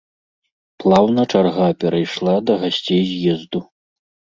Плаўна чарга перайшла да гасцей з'езду.